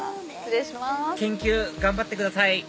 研究頑張ってください